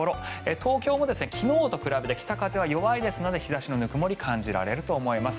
東京も昨日と比べて北風は弱いですので日差しのぬくもりが感じられると思います。